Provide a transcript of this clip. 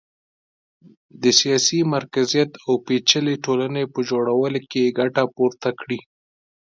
د سیاسي مرکزیت او پېچلې ټولنې په جوړولو کې ګټه پورته کړي